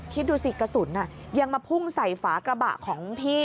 คิดดูสิกระสุนยังมาพุ่งใส่ฝากระบะของพี่